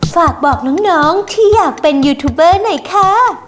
ฝากบอกน้องที่อยากเป็นยูทูบเบอร์หน่อยค่ะ